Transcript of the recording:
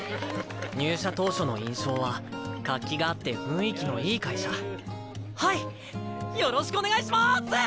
入社当初の印象は活気があって雰囲気のいい会社はいよろしくお願いします！